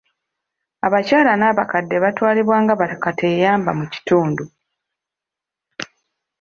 Abakyala n'abakadde batwalibwa nga bakateeyamba mu kitundu.